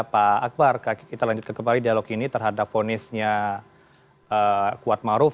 pak akbar kita lanjutkan kembali dialog ini terhadap fonisnya kuat maruf